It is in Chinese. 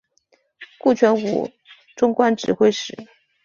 顾全武终官指挥使。